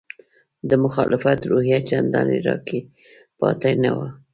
د مخالفت روحیه چندانې راکې پاتې نه وه.